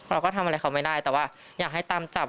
เราก็ทำอะไรเขาไม่ได้แต่ว่าอยากให้ตามจับ